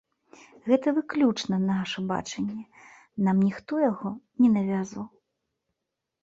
Гэта выключна наша бачанне, нам ніхто яго не навязваў.